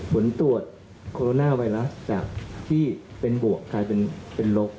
ผลตรวจโคโรนาไวรัสจากที่เป็นบวกกลายเป็นลบ